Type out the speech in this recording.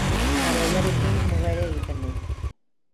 Norvegiarekin muga ere egiten du.